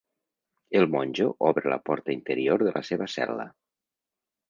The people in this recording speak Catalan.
El monjo obre la porta interior de la seva cel·la.